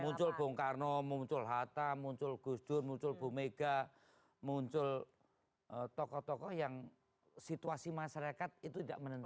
muncul bung karno muncul hatta muncul gusdun muncul ibu mega muncul tokoh tokoh yang situasi masyarakat itu enggak menentu